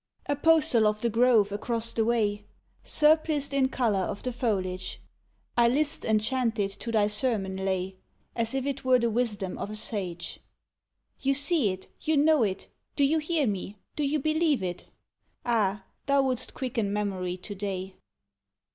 _ Apostle of the grove across the way, Surpliced in color of the foliage, I list enchanted to thy sermon lay, As if it were the wisdom of a sage; "You see it! You know it! Do you hear me? Do you believe it?" Ah! thou wouldst quicken memory to day.